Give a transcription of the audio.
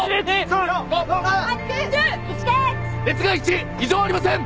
列外１異常ありません！